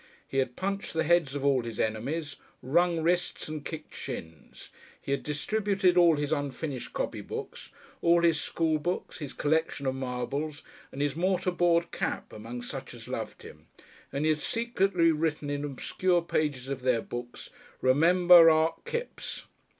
He had punched the heads of all his enemies, wrung wrists and kicked shins; he had distributed all his unfinished copybooks, all his school books, his collection of marbles and his mortarboard cap among such as loved him; and he had secretly written in obscure pages of their books, "remember Art Kipps."